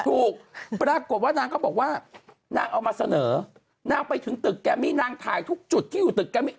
ถูกปรากฏว่านางก็บอกว่านางเอามาเสนอนางไปถึงตึกแกมมี่นางถ่ายทุกจุดที่อยู่ตึกแกมมี่